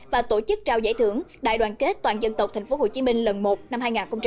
và tổ chức trao giải thưởng đại đoàn kết toàn dân tộc thành phố hồ chí minh lần một năm hai nghìn một mươi chín